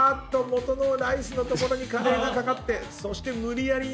元のライスの所にカレーが掛かってそして無理やり